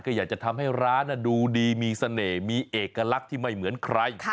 ก็อยากจะทำให้ร้านดูดีมีเสน่ห์มีเอกลักษณ์ที่ไม่เหมือนใคร